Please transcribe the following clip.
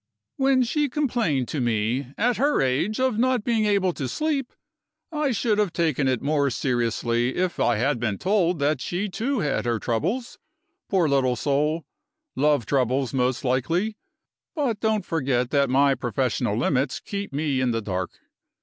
"When she complained to me at her age! of not being able to sleep, I should have taken it more seriously if I had been told that she too had her troubles, poor little soul. Love troubles, most likely but don't forget that my professional limits keep me in the dark!